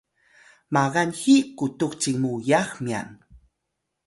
magan hi qutux cinmuyax myan